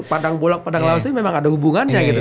padang bolak padang lawas itu memang ada hubungannya gitu